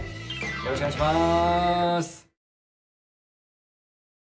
よろしくお願いします。